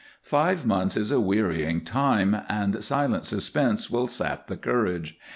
Five months is a wearying time, and silent suspense will sap the courage.